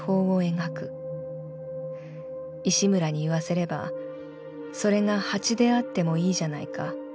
石村に言わせればそれが蜂であってもいいじゃないか。